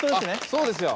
そうですよ！